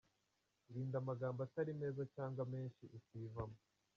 Irinde amagambo atari meza cyangwa menshi utivamo.